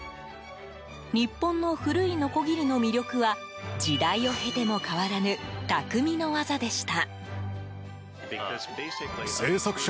日本の古いのこぎりの魅力は時代を経ても変わらぬ匠の技でした。